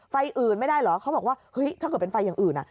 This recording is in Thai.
ไฟอื่นไม่ได้เหรอเขาบอกว่าเฮ้ยถ้าเกิดเป็นไฟอย่างอื่น